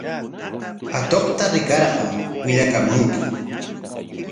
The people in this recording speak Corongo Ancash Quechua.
Atuqta rikarqa willakunki.